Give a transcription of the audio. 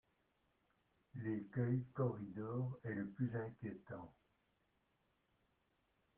L’écueil corridor est le plus inquiétant.